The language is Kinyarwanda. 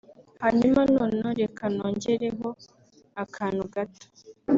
Hanyuma noneho reka nongereho akantu gato